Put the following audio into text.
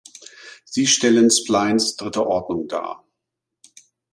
Sie stellen Splines dritter Ordnung dar.